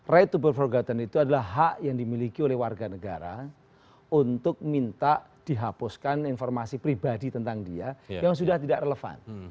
right to be forguton itu adalah hak yang dimiliki oleh warga negara untuk minta dihapuskan informasi pribadi tentang dia yang sudah tidak relevan